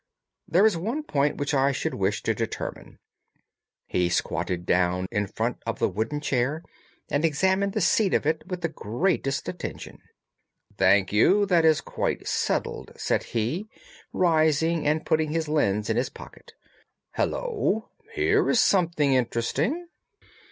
There is one point which I should wish to determine." He squatted down in front of the wooden chair and examined the seat of it with the greatest attention. "Thank you. That is quite settled," said he, rising and putting his lens in his pocket. "Hullo! Here is something interesting!"